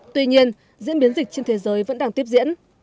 tuy nhiên diễn biến dịch trên thế giới vẫn đang tiếp diễn